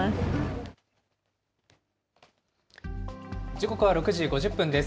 時刻は６時５０分です。